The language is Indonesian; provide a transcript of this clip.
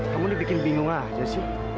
kamu dibikin bingung aja sih